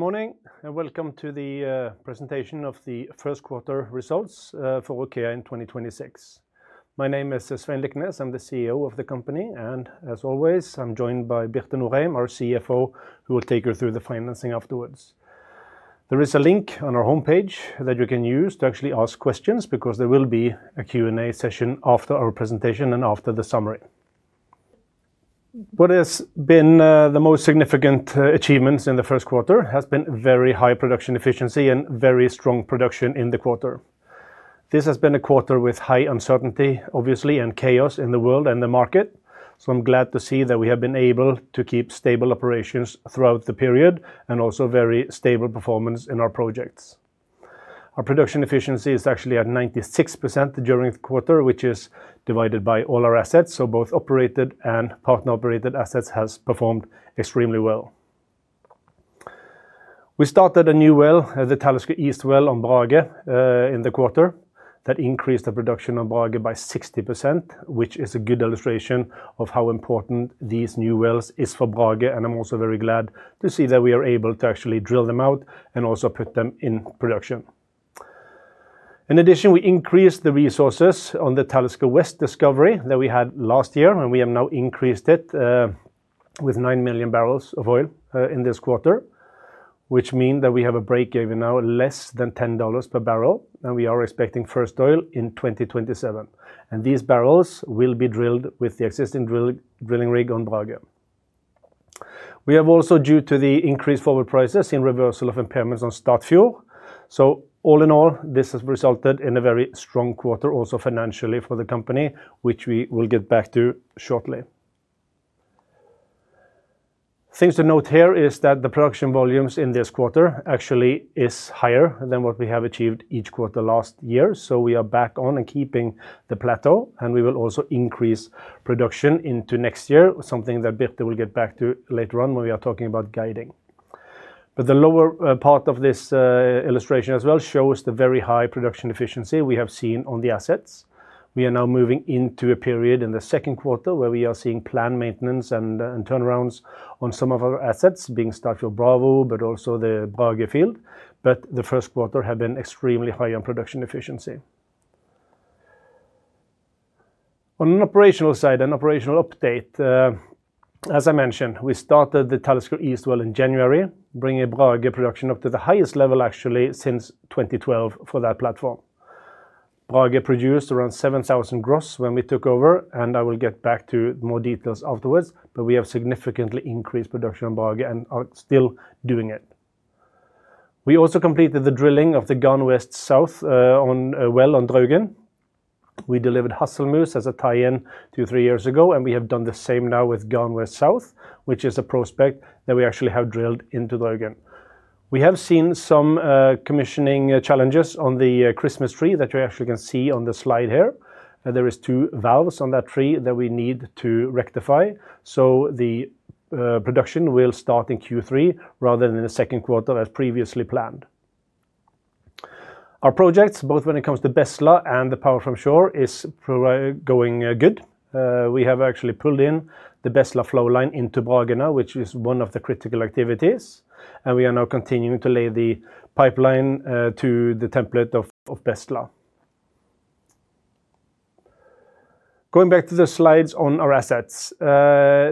Good morning, and welcome to the presentation of the Q1 Results for OKEA in 2026. My name is Svein Liknes. I'm the CEO of the company, and as always, I'm joined by Birte Norheim, our CFO, who will take you through the financing afterwards. There is a link on our homepage that you can use to actually ask questions because there will be a Q&A session after our presentation and after the summary. What has been the most significant achievements in the Q1 has been very high production efficiency and very strong production in the quarter. This has been a quarter with high uncertainty, obviously, and chaos in the world and the market, so I'm glad to see that we have been able to keep stable operations throughout the period and also very stable performance in our projects. Our production efficiency is actually at 96% during the quarter, which is divided by all our assets, so both operated and partner-operated assets has performed extremely well. We started a new well, the Talisker East well on Brage, in the quarter that increased the production on Brage by 60%, which is a good illustration of how important these new wells is for Brage, and I'm also very glad to see that we are able to actually drill them out and also put them in production. In addition, we increased the resources on the Talisker West discovery that we had last year, and we have now increased it with 9 million barrels of oil in this quarter. Which mean that we have a breakeven now less than $10 per barrel. We are expecting first oil in 2027. These barrels will be drilled with the existing drilling rig on Brage. We have also, due to the increased forward prices in reversal of impairments on Statfjord. All in all, this has resulted in a very strong quarter also financially for the company, which we will get back to shortly. Things to note here is that the production volumes in this quarter actually is higher than what we have achieved each quarter last year. We are back on and keeping the plateau, and we will also increase production into next year, something that Birte will get back to later on when we are talking about guiding. The lower part of this illustration as well shows the very high production efficiency we have seen on the assets. We are now moving into a period in the Q2 where we are seeing planned maintenance and turnarounds on some of our assets, being Statfjord B, but also the Brage field. The Q1 have been extremely high on production efficiency. On an operational side, an operational update, as I mentioned, we started the Talisker East well in January, bringing Brage production up to the highest level actually since 2012 for that platform. Brage produced around 7,000 gross when we took over. I will get back to more details afterwards. We have significantly increased production on Brage and are still doing it. We also completed the drilling of the Garn West South well on Draugen. We delivered Hasselmus as a tie-in two, three years ago. We have done the same now with Garn West South, which is a prospect that we actually have drilled into Draugen. We have seen some commissioning challenges on the Christmas tree that you actually can see on the slide here. There is two valves on that tree that we need to rectify. The production will start in Q3 rather than in the Q2 as previously planned. Our projects, both when it comes to Bestla and the power from shore, is going good. We have actually pulled in the Bestla flowline into Brage now, which is one of the critical activities. We are now continuing to lay the pipeline to the template of Bestla. Going back to the slides on our assets,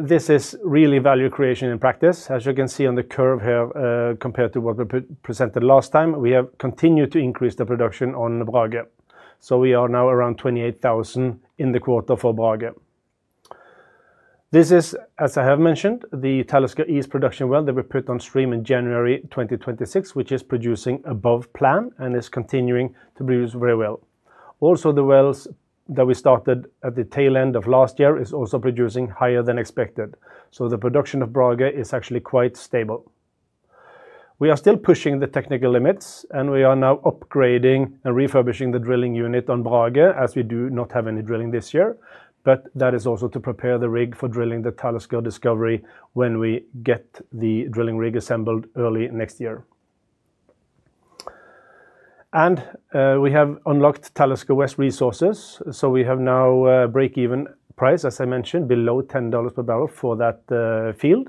this is really value creation in practice. As you can see on the curve here, compared to what we presented last time, we have continued to increase the production on Brage. We are now around 28,000 in the quarter for Brage. This is, as I have mentioned, the Talisker East production well that we put on stream in January 2026, which is producing above plan and is continuing to produce very well. The wells that we started at the tail end of last year is also producing higher than expected. The production of Brage is actually quite stable. We are still pushing the technical limits, we are now upgrading and refurbishing the drilling unit on Brage as we do not have any drilling this year. That is also to prepare the rig for drilling the Talisker discovery when we get the drilling rig assembled early next year. We have unlocked Talisker West resources. We have now a breakeven price, as I mentioned, below $10 per barrel for that field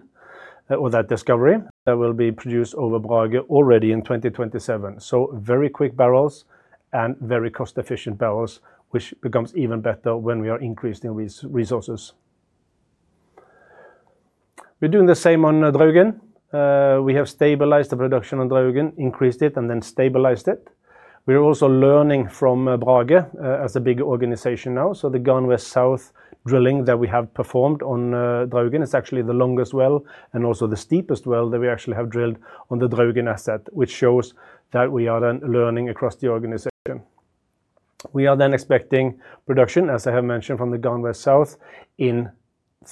or that discovery that will be produced over Brage already in 2027. Very quick barrels and very cost-efficient barrels, which becomes even better when we are increasing resources. We're doing the same on Draugen. We have stabilized the production on Draugen, increased it and then stabilized it. We are also learning from Brage as a big organization now. The Garn West South drilling that we have performed on Draugen is actually the longest well and also the steepest well that we actually have drilled on the Draugen asset, which shows that we are then learning across the organization. We are then expecting production, as I have mentioned, from the Garn West South in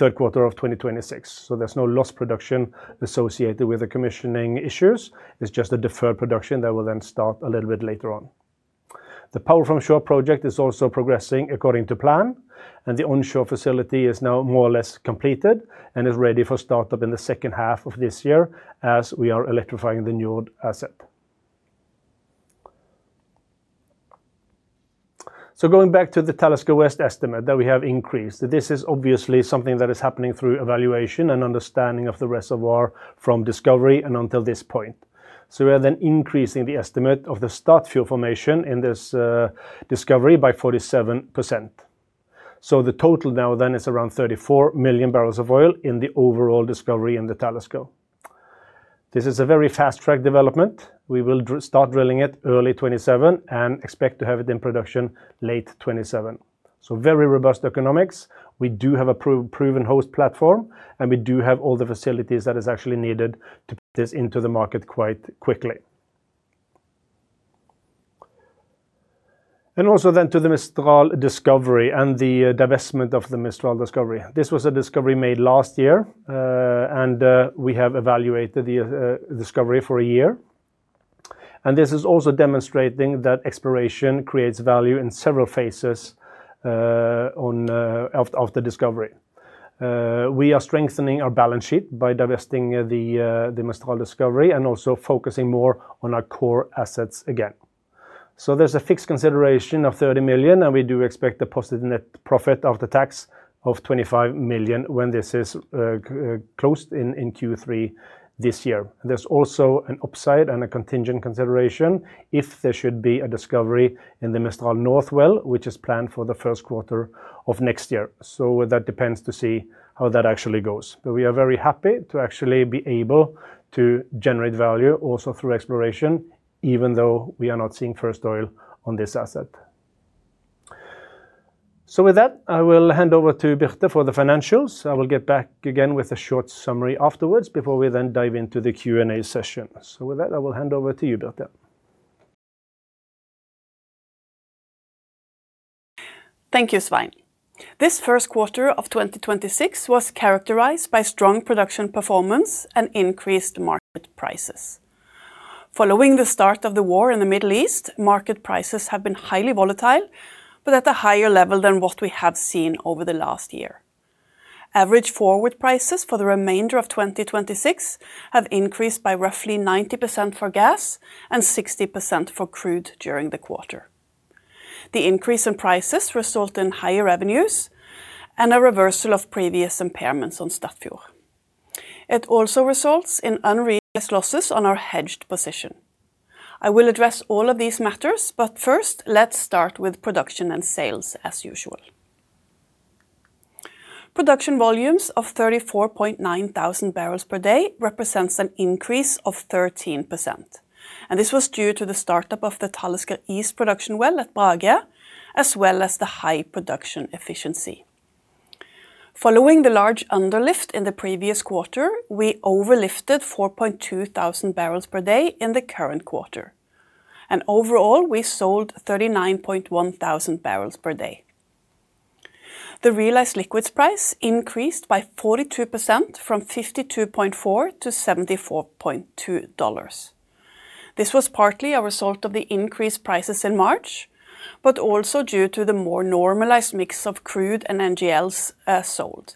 Q3 of 2026. There's no lost production associated with the commissioning issues. It's just a deferred production that will then start a little bit later on. The Power from Shore project is also progressing according to plan, and the onshore facility is now more or less completed and is ready for startup in the H2 of this year as we are electrifying the Njord asset. Going back to the Talisker West estimate that we have increased. This is obviously something that is happening through evaluation and understanding of the reservoir from discovery and until this point. We are then increasing the estimate of the Statfjord Formation in this discovery by 47%. The total now then is around 34 million barrels of oil in the overall discovery in the Talisker. This is a very fast-track development. We will start drilling it early 2027 and expect to have it in production late 2027. Very robust economics. We do have a proven host platform, and we do have all the facilities that is actually needed to put this into the market quite quickly. Also then to the Mistral discovery and the divestment of the Mistral discovery. This was a discovery made last year, and we have evaluated the discovery for one year. This is also demonstrating that exploration creates value in several phases of the discovery. We are strengthening our balance sheet by divesting the Mistral discovery and also focusing more on our core assets again. There's a fixed consideration of $30 million, and we do expect the positive net profit of the tax of $25 million when this is closed in Q3 this year. There's also an upside and a contingent consideration if there should be a discovery in the Mistral North well, which is planned for the Q1 of next year. That depends to see how that actually goes. We are very happy to actually be able to generate value also through exploration, even though we are not seeing first oil on this asset. With that, I will hand over to Birte for the financials. I will get back again with a short summary afterwards before we then dive into the Q&A session. With that, I will hand over to you, Birte. Thank you, Svein. This Q1 of 2026 was characterized by strong production performance and increased market prices. Following the start of the war in the Middle East, market prices have been highly volatile, but at a higher level than what we have seen over the last year. Average forward prices for the remainder of 2026 have increased by roughly 90% for gas and 60% for crude during the quarter. The increase in prices result in higher revenues and a reversal of previous impairments on Statfjord. It also results in unrealized losses on our hedged position. I will address all of these matters, but first, let's start with production and sales, as usual. Production volumes of 34.9 thousand barrels per day represents an increase of 13%. This was due to the startup of the Talisker East production well at Brage, as well as the high production efficiency. Following the large underlift in the previous quarter, we overlifted 4.2 thousand barrels per day in the current quarter. Overall, we sold 39.1 thousand barrels per day. The realized liquids price increased by 42% from $52.4 to $74.2. This was partly a result of the increased prices in March, also due to the more normalized mix of crude and NGLs sold.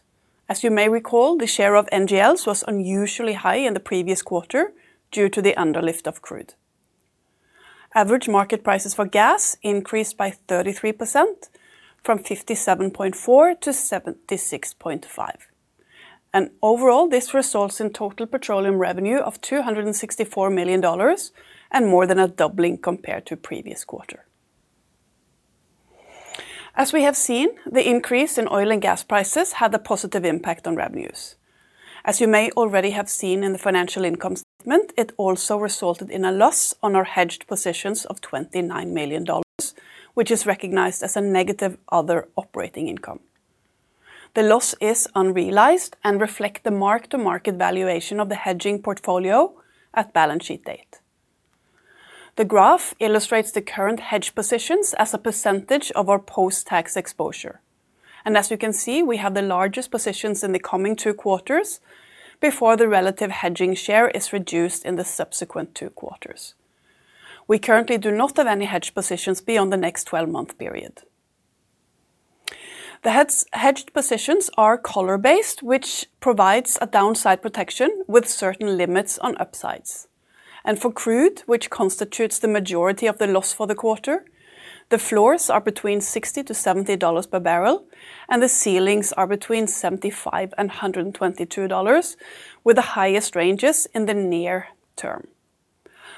As you may recall, the share of NGLs was unusually high in the previous quarter due to the underlift of crude. Average market prices for gas increased by 33% from $57.4-$76.5. Overall, this results in total petroleum revenue of $264 million and more than a doubling compared to previous quarter. As we have seen, the increase in oil and gas prices had a positive impact on revenues. As you may already have seen in the financial income statement, it also resulted in a loss on our hedged positions of $29 million, which is recognized as a negative other operating income. The loss is unrealized and reflect the mark-to-market valuation of the hedging portfolio at balance sheet date. The graph illustrates the current hedge positions as a percentage of our post-tax exposure. As you can see, we have the largest positions in the coming two quarters before the relative hedging share is reduced in the subsequent two quarters. We currently do not have any hedge positions beyond the next 12-month period. The hedged positions are collar-based, which provides a downside protection with certain limits on upsides. For crude, which constitutes the majority of the loss for the quarter, the floors are between $60-$70 per barrel, and the ceilings are between $75 and $122, with the highest ranges in the near term.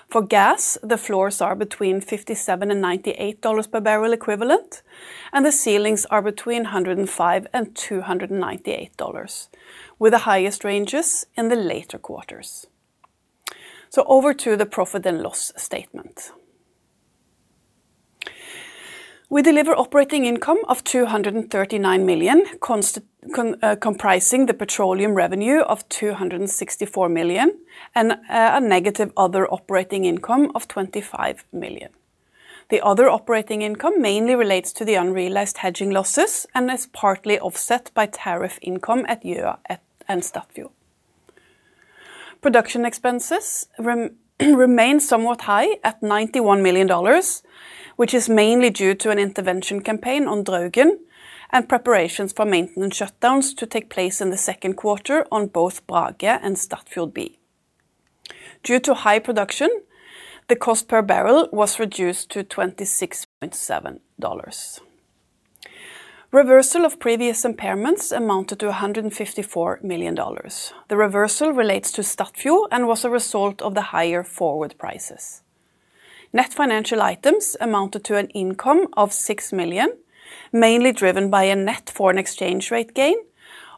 For gas, the floors are between $57 and $98 per barrel equivalent, and the ceilings are between $105 and $298, with the highest ranges in the later quarters. Over to the profit and loss statement. We deliver operating income of $239 million comprising the petroleum revenue of $264 million and a negative other operating income of $25 million. The other operating income mainly relates to the unrealized hedging losses and is partly offset by tariff income at and Statfjord. Production expenses remain somewhat high at $91 million, which is mainly due to an intervention campaign on Draugen and preparations for maintenance shutdowns to take place in the Q2 on both Brage and Statfjord B. Due to high production, the cost per barrel was reduced to $26.7. Reversal of previous impairments amounted to $154 million. The reversal relates to Statfjord and was a result of the higher forward prices. Net financial items amounted to an income of $6 million, mainly driven by a net foreign exchange rate gain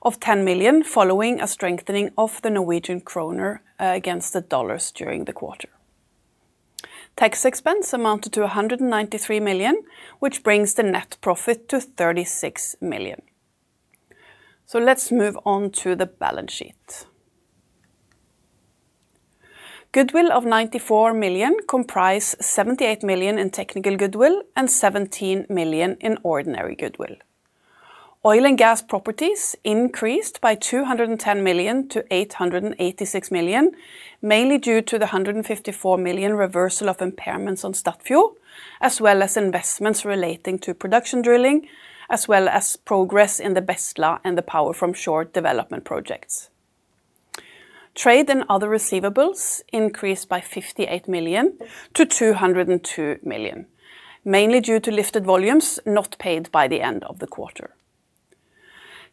of 10 million following a strengthening of the Norwegian kroner against the dollars during the quarter. Tax expense amounted to $193 million, which brings the net profit to $36 million. Let's move on to the balance sheet. Goodwill of 94 million comprise 78 million in technical goodwill and 17 million in ordinary goodwill. Oil and gas properties increased by 210 million to 886 million, mainly due to the 154 million reversal of impairments on Statfjord, as well as investments relating to production drilling, as well as progress in the Bestla and the power from shore development projects. Trade and other receivables increased by 58 million to 202 million, mainly due to lifted volumes not paid by the end of the quarter.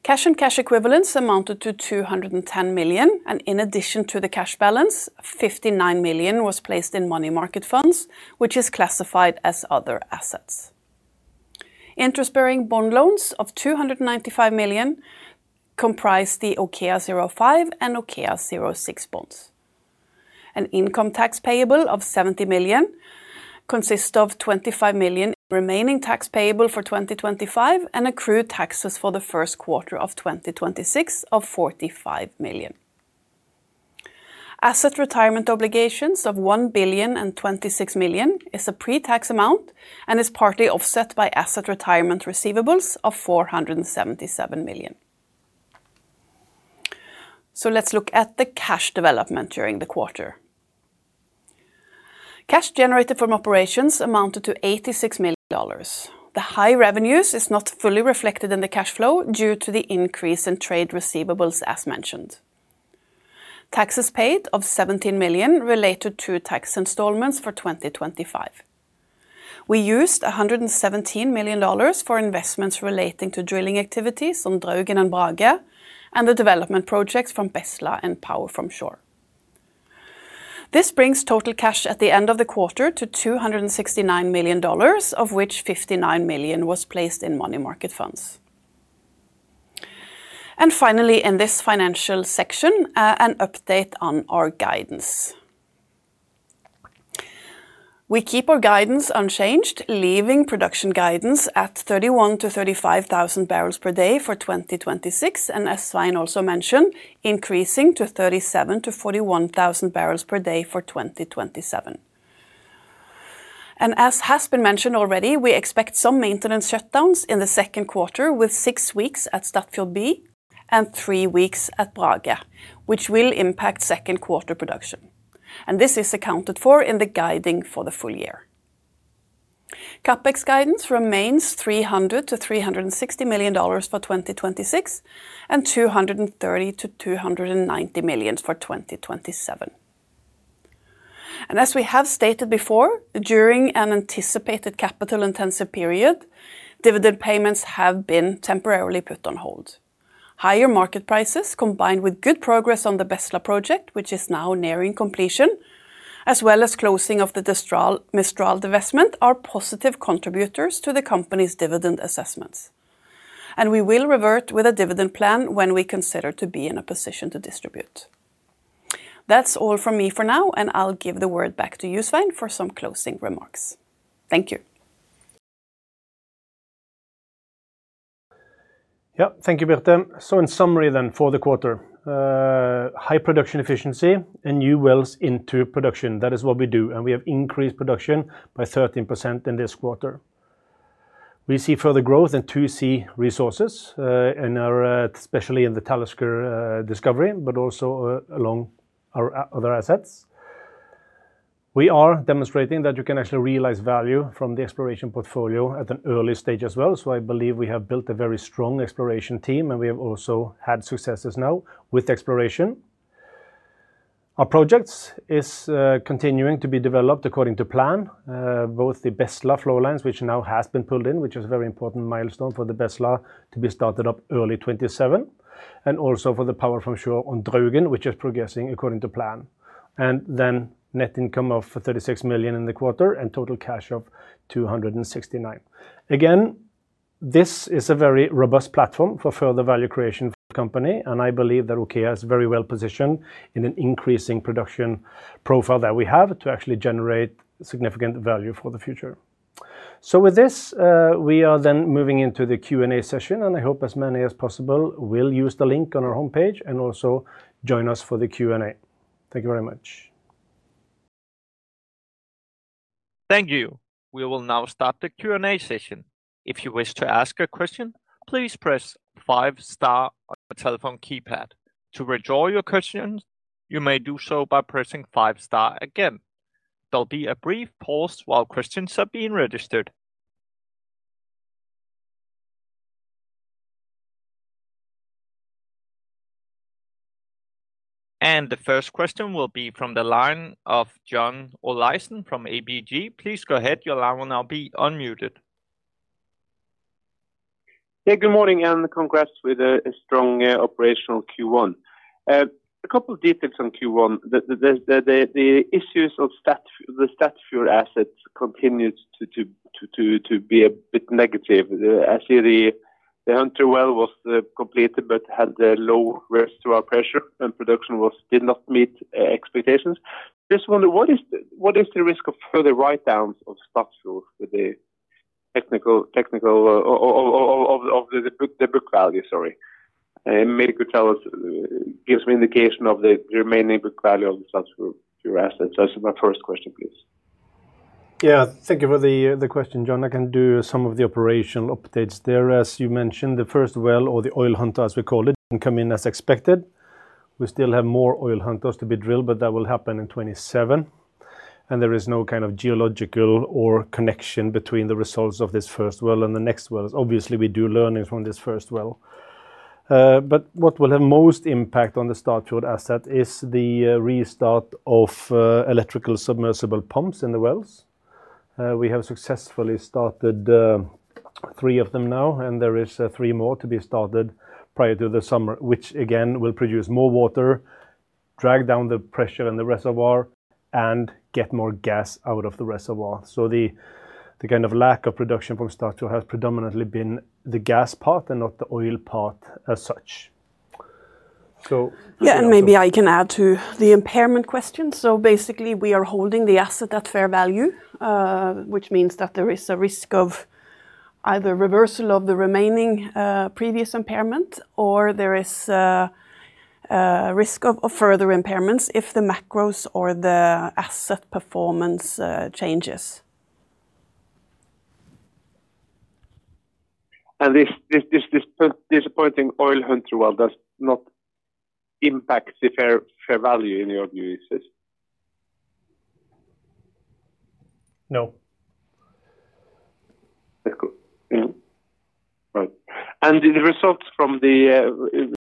Cash and cash equivalents amounted to 210 million, and in addition to the cash balance, 59 million was placed in money market funds, which is classified as other assets. Interest-bearing bond loans of 295 million comprise the OKEA05 and OKEA06 bonds. An income tax payable of $70 million consists of $25 million remaining tax payable for 2025 and accrued taxes for the Q1 of 2026 of $45 million. Asset retirement obligations of $1,026 million is a pre-tax amount and is partly offset by asset retirement receivables of $477 million. Let's look at the cash development during the quarter. Cash generated from operations amounted to $86 million. The high revenues is not fully reflected in the cash flow due to the increase in trade receivables as mentioned. Taxes paid of $17 million related to tax installments for 2025. We used $117 million for investments relating to drilling activities on Draugen and Brage and the development projects from Bestla and power from shore. This brings total cash at the end of the quarter to $269 million, of which $59 million was placed in money market funds. Finally, in this financial section, an update on our guidance. We keep our guidance unchanged, leaving production guidance at 31,000-35,000 barrels per day for 2026, as Svein also mentioned, increasing to 37,000-41,000 barrels per day for 2027. As has been mentioned already, we expect some maintenance shutdowns in the Q2 with six weeks at Statfjord B and three weeks at Brage, which will impact Q2 production. This is accounted for in the guiding for the full year. CapEx guidance remains $300 million-$360 million for 2026 and $230 million-$290 million for 2027. As we have stated before, during an anticipated capital-intensive period, dividend payments have been temporarily put on hold. Higher market prices, combined with good progress on the Bestla project, which is now nearing completion, as well as closing of the Destral-Mistral divestment are positive contributors to the company's dividend assessments. We will revert with a dividend plan when we consider to be in a position to distribute. That's all from me for now, and I'll give the word back to you, Svein, for some closing remarks. Thank you. Yeah. Thank you, Birte. In summary then for the quarter, high production efficiency and new wells into production. That is what we do, and we have increased production by 13% in this quarter. We see further growth in 2C resources, in our, especially in the Talisker discovery, but also along our other assets. We are demonstrating that you can actually realize value from the exploration portfolio at an early stage as well. I believe we have built a very strong exploration team, and we have also had successes now with exploration. Our projects is continuing to be developed according to plan. Both the Bestla flow lines, which now has been pulled in, which is a very important milestone for the Bestla to be started up early 2027, and also for the power from shore on Draugen, which is progressing according to plan. Net income of 36 million in the quarter and total cash of 269. Again, this is a very robust platform for further value creation for the company, and I believe that OKEA is very well positioned in an increasing production profile that we have to actually generate significant value for the future. With this, we are then moving into the Q&A session, and I hope as many as possible will use the link on our homepage and also join us for the Q&A. Thank you very much. Thank you. We will now start the Q&A session. If you wish to ask a question, please press five star on your telephone keypad. To withdraw your question, you may do so by pressing five star again. There will be a brief pause while questions are being registered. The first question will be from the line of John Olaisen from ABG. Please go ahead. Your line will now be unmuted. Yeah, good morning, and congrats with a strong operational Q1. A couple of details on Q1. The issues of the Statfjord assets continues to be a bit negative. Actually, the hunter well was completed but had a low reservoir pressure, and production did not meet expectations. I just wonder, what is the risk of further write-downs of Statfjord with the technical or of the book value, sorry? Maybe could tell us, gives me indication of the remaining book value of the Statfjord assets. That's my first question, please. Yeah, thank you for the question, John. I can do some of the operational updates there. As you mentioned, the first well or the oil hunter, as we call it, didn't come in as expected. We still have more oil hunters to be drilled, but that will happen in 2027. There is no kind of geological or connection between the results of this first well and the next wells. Obviously, we do learnings from this first well. But what will have most impact on the Statfjord asset is the restart of Electrical submersible pumps in the wells. We have successfully started three of them now, and there is three more to be started prior to the summer, which again, will produce more water, drag down the pressure in the reservoir, and get more gas out of the reservoir. The kind of lack of production from Statfjord has predominantly been the gas part and not the oil part as such. Maybe I can add to the impairment question. Basically, we are holding the asset at fair value, which means that there is a risk of either reversal of the remaining previous impairment or there is a risk of further impairments if the macros or the asset performance changes. This disappointing oil hunter well does not impact the fair value in your view, is this? No. That's good. Yeah. Right. The results from the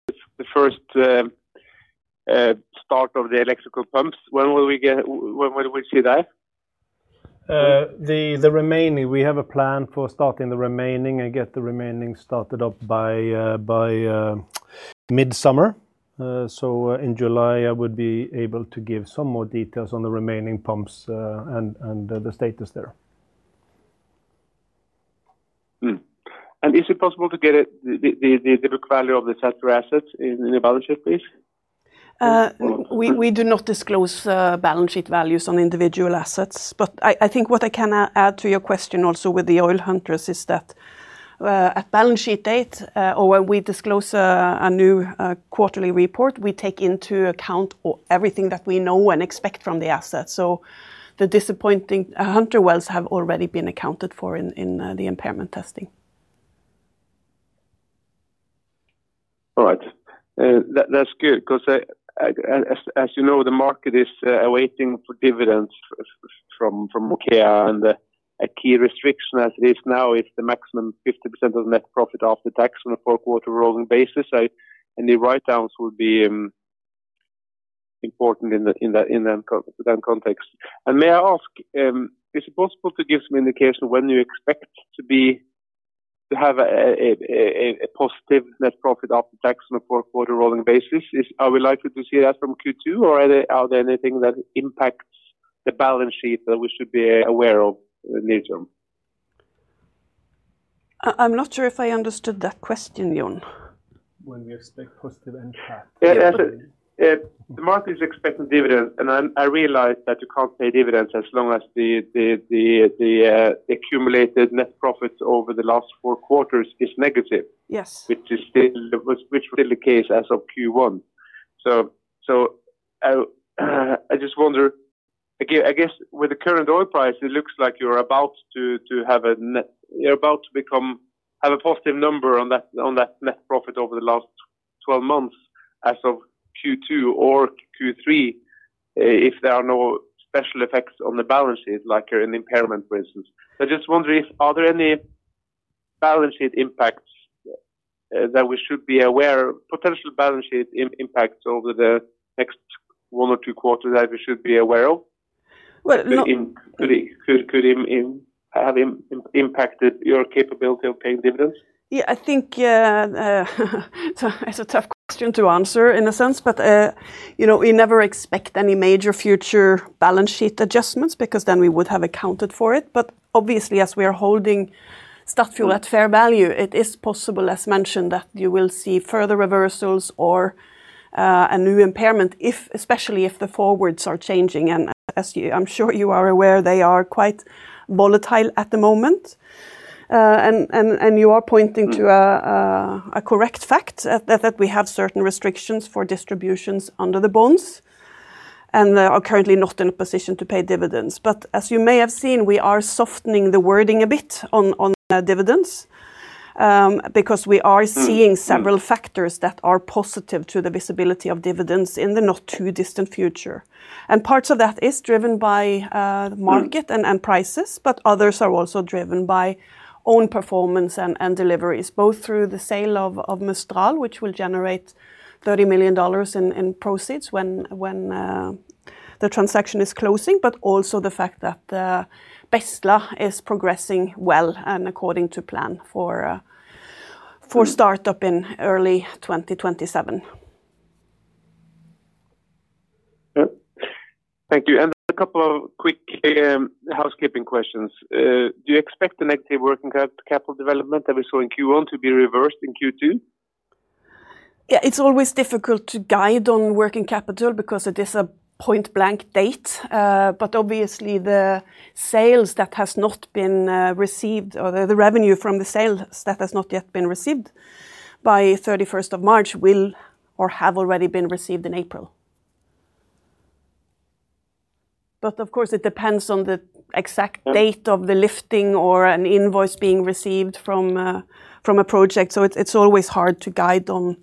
first start of the electrical pumps, when will we see that? The remaining, we have a plan for starting the remaining and get the remaining started up by mid-summer. In July, I would be able to give some more details on the remaining pumps and the status there. Is it possible to get it, the book value of the Statfjord assets in the balance sheet, please? We do not disclose balance sheet values on individual assets. I think what I can add to your question also with the oil hunters is that at balance sheet date, or when we disclose a new quarterly report, we take into account everything that we know and expect from the asset. The disappointing hunter wells have already been accounted for in the impairment testing. All right. That's good because, as you know, the market is awaiting for dividends from OKEA, and a key restriction as it is now is the maximum 50% of net profit after tax on a four-quarter rolling basis. Any write-downs would be important in that context. May I ask, is it possible to give some indication when you expect to be, to have a positive net profit after tax on a four-quarter rolling basis? Are we likely to see that from Q2, or are there anything that impacts the balance sheet that we should be aware of near-term? I'm not sure if I understood that question, John. When we expect positive NPAT. The market is expecting dividends. I realize that you can't pay dividends as long as the accumulated net profits over the last four quarters is negative. Yes which was still the case as of Q1. I just wonder, again, I guess with the current oil price, it looks like you're about to become, have a positive number on that net profit over the last 12 months as of Q2 or Q3, if there are no special effects on the balance sheet, like an impairment, for instance. I just wonder if, are there any balance sheet impacts that we should be aware of, potential balance sheet impact over the next one or two quarters that we should be aware of? Well. Could it have impacted your capability of paying dividends? Yeah, I think, it's a tough question to answer in a sense, but, you know, we never expect any major future balance sheet adjustments because then we would have accounted for it. Obviously, as we are holding Statfjord at fair value, it is possible, as mentioned, that you will see further reversals or, a new impairment if, especially if the forwards are changing. As you, I'm sure you are aware, they are quite volatile at the moment. You are pointing to a correct fact that we have certain restrictions for distributions under the bonds and are currently not in a position to pay dividends. As you may have seen, we are softening the wording a bit on dividends because we are seeing several factors that are positive to the visibility of dividends in the not too distant future. Parts of that is driven by market and prices, but others are also driven by own performance and deliveries, both through the sale of Mistral, which will generate $30 million in proceeds when the transaction is closing, but also the fact that Bestla is progressing well and according to plan for startup in early 2027. Yeah. Thank you. A couple of quick, housekeeping questions. Do you expect the negative working capital development that we saw in Q1 to be reversed in Q2? Yeah. It's always difficult to guide on working capital because it is a point-blank date. Obviously the sales that has not been received or the revenue from the sales that has not yet been received by 31st of March will or have already been received in April. Of course, it depends on the exact date-... of the lifting or an invoice being received from a project. It's always hard to guide on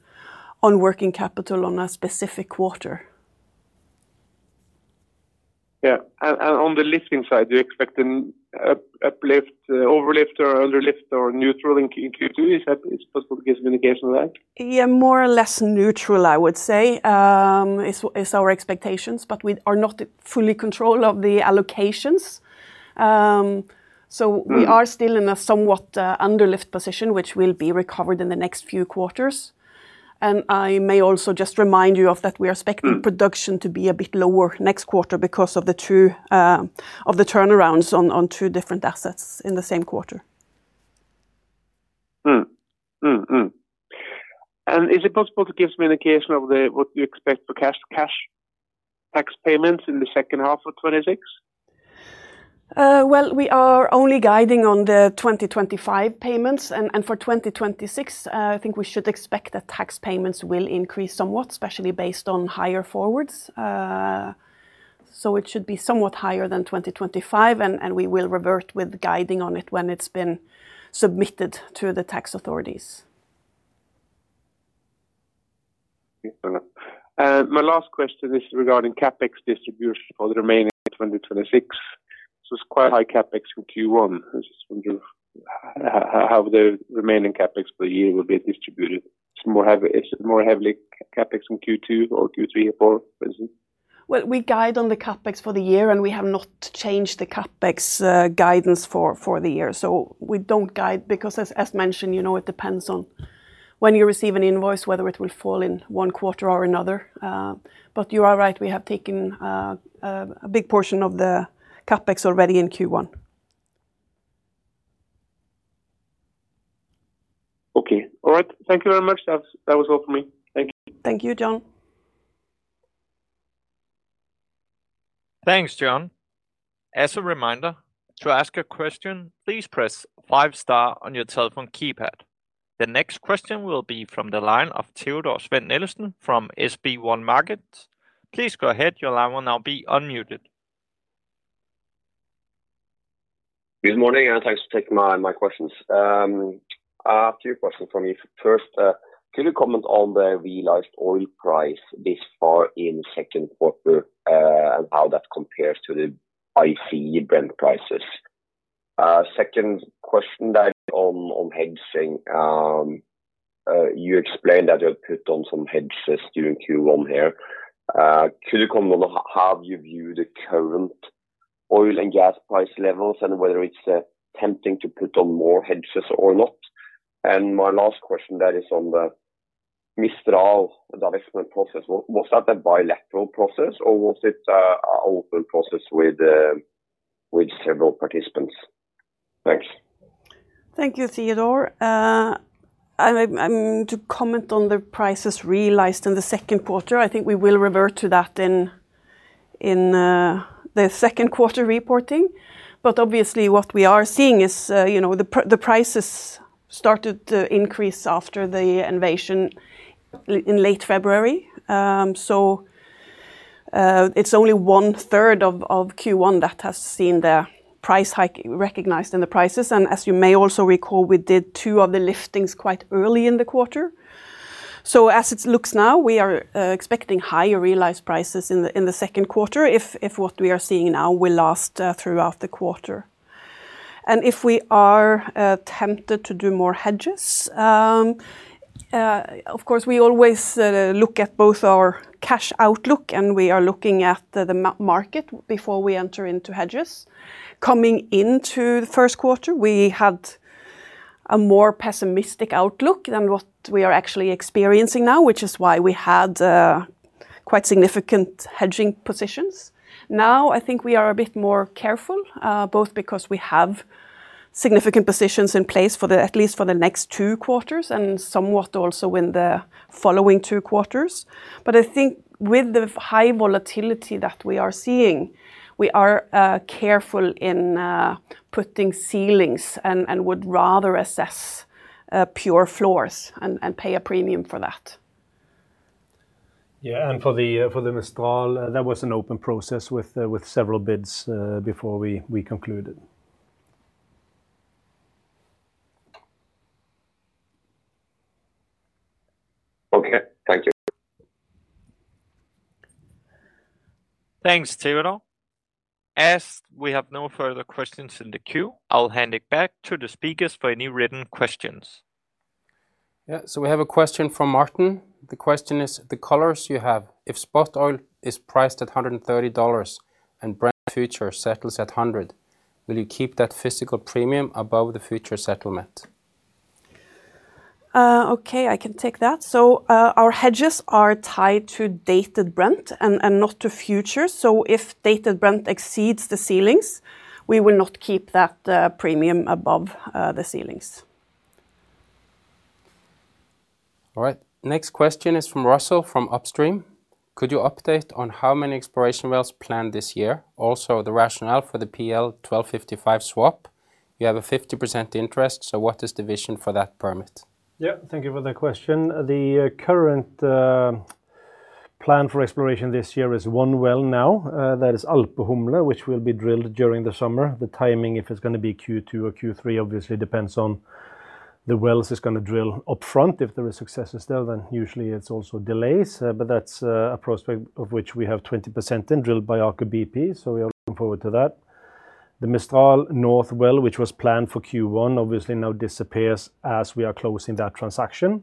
working capital on a specific quarter. Yeah. On the lifting side, do you expect an uplift, overlift or underlift or neutral in Q2? It's possible to give some indication of that? More or less neutral, I would say, is our expectations. We are not in fully control of the allocations. We are still in a somewhat underlift position, which will be recovered in the next few quarters. I may also just remind you of that we are expecting production to be a bit lower next quarter because of the two of the turnarounds on two different assets in the same quarter. Is it possible to give us an indication of what you expect for cash tax payments in the H2 of 2026? Well, we are only guiding on the 2025 payments. For 2026, I think we should expect that tax payments will increase somewhat, especially based on higher forwards. It should be somewhat higher than 2025, and we will revert with guiding on it when it's been submitted to the tax authorities. Yeah. My last question is regarding CapEx distribution for the remaining 2026. It's quite high CapEx in Q1. I was just wondering how the remaining CapEx for the year will be distributed. Is it more heavily CapEx in Q2 or Q3 or Q4, for instance? Well, we guide on the CapEx for the year, we have not changed the CapEx guidance for the year. We don't guide because as mentioned, you know, it depends on when you receive an invoice, whether it will fall in one quarter or another. You are right, we have taken a big portion of the CapEx already in Q1. Okay. All right. Thank you very much. That was all for me. Thank you. Thank you, John. Thanks, John. As a reminder, to ask a question, please press five star on your telephone keypad. The next question will be from the line of Teodor Sveen-Nilsen from SpareBank 1 Markets. Please go ahead, your line will now be unmuted. Good morning, thanks for taking my questions. A few questions from me. First, could you comment on the realized oil price this far in Q2, and how that compares to the ICE Brent prices? Second question that on hedging. You explained that you had put on some hedges during Q1 here. Could you comment on how you view the current oil and gas price levels and whether it's tempting to put on more hedges or not? My last question that is on the Mistral divestment process. Was that a bilateral process, or was it a open process with several participants? Thanks. Thank you, Teodor. I'm to comment on the prices realized in the Q2, I think we will revert to that in the Q2 reporting. obviously, what we are seeing is, you know, the prices started to increase after the invasion in late February. it's only one-third of Q1 that has seen the price hike recognized in the prices. as you may also recall, we did two of the liftings quite early in the quarter. as it looks now, we are expecting higher realized prices in the Q2 if what we are seeing now will last throughout the quarter. If we are tempted to do more hedges, of course, we always look at both our cash outlook, and we are looking at the market before we enter into hedges. Coming into the first quarter, we had a more pessimistic outlook than what we are actually experiencing now, which is why we had quite significant hedging positions. Now, I think we are a bit more careful, both because we have significant positions in place for the, at least for the next two quarters, and somewhat also in the following two quarters. I think with the high volatility that we are seeing, we are careful in putting ceilings and would rather assess pure floors and pay a premium for that. Yeah. For the Mistral, that was an open process with several bids before we concluded. Okay. Thank you. Thanks, Teodor. As we have no further questions in the queue, I'll hand it back to the speakers for any written questions. Yeah, we have a question from Martin. The question is, "The colors you have, if spot oil is priced at $130 and Brent future settles at $100, will you keep that physical premium above the future settlement? Okay, I can take that. Our hedges are tied to Dated Brent and not to futures. If Dated Brent exceeds the ceilings, we will not keep that premium above the ceilings. All right. Next question is from Russell from Upstream, "Could you update on how many exploration wells planned this year? Also, the rationale for the PL 1255 swap. You have a 50% interest. What is the vision for that permit? Thank you for that question. The current plan for exploration this year is one well now, that is Alpehumle which will be drilled during the summer. The timing, if it's going to be Q2 or Q3, obviously depends on the wells it's going to drill upfront. If there is success there, usually it's also delays. That's a prospect of which we have 20% and drilled by Aker BP, we are looking forward to that. The Mistral north well, which was planned for Q1, obviously now disappears as we are closing that transaction.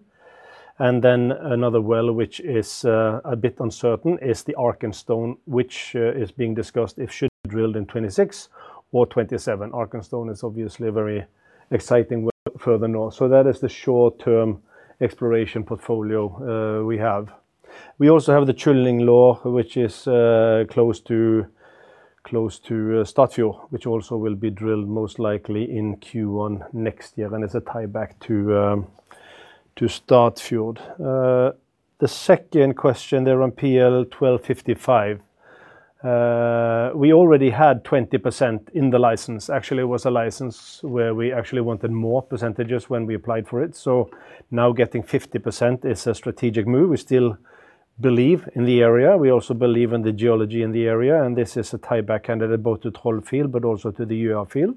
Another well which is a bit uncertain, is the Arkenstone, which is being discussed if should be drilled in 2026 or 2027. Arkenstone is obviously a very exciting well further north. That is the short-term exploration portfolio we have. We also have the Trillinghøg, which is close to Statfjord, which also will be drilled most likely in Q1 next year when it's a tie back to Statfjord. The second question there on PL 1255. We already had 20% in the license. Actually, it was a license where we actually wanted more percentages when we applied for it, so now getting 50% is a strategic move. We still believe in the area. We also believe in the geology in the area, and this is a tie-back candidate both to Troll field but also to the Gjøa field.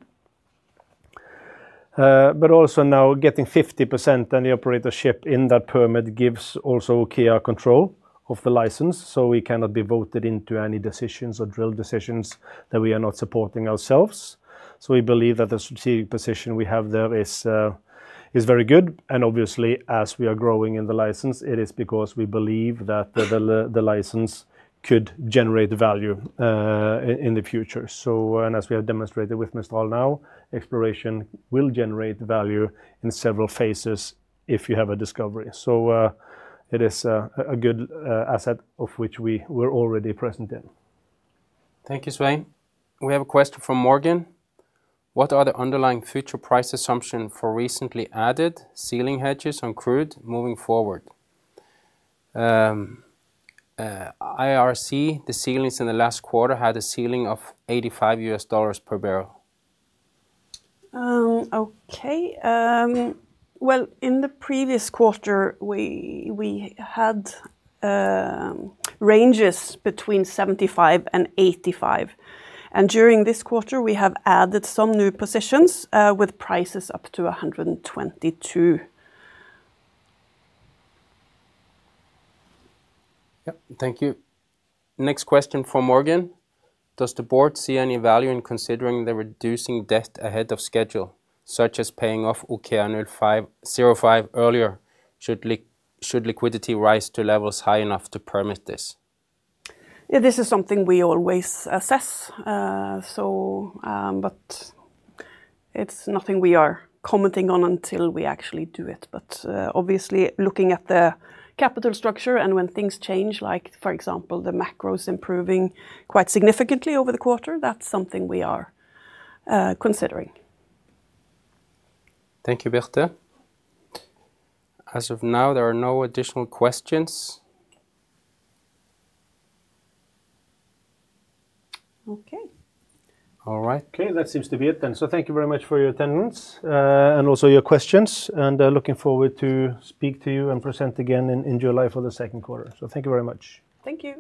But also now getting 50% and the operatorship in that permit gives also OKEA control of the license, so we cannot be voted into any decisions or drill decisions that we are not supporting ourselves. We believe that the strategic position we have there is very good. Obviously, as we are growing in the license, it is because we believe that the license could generate the value in the future. As we have demonstrated with Mistral now, exploration will generate the value in several phases if you have a discovery. It is a good asset of which we were already present in. Thank you, Svein. We have a question from Morgan, What are the underlying future price assumption for recently added ceiling hedges on crude moving forward? IRC, the ceilings in the last quarter had a ceiling of $85 per barrel. Okay. Well, in the previous quarter, we had ranges between $75 and $85. During this quarter, we have added some new positions, with prices up to $122. Yep, thank you. Next question from Morgan, Does the board see any value in considering the reducing debt ahead of schedule, such as paying off OKEA05 earlier should liquidity rise to levels high enough to permit this? Yeah, this is something we always assess. It's nothing we are commenting on until we actually do it. Obviously, looking at the capital structure and when things change, like, for example, the macro's improving quite significantly over the quarter, that's something we are considering. Thank you, Birte. As of now, there are no additional questions. Okay. All right. Okay. That seems to be it then. Thank you very much for your attendance, and also your questions, and looking forward to speak to you and present again in July for the Q2. Thank you very much. Thank you.